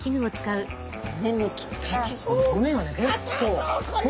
そうこれは！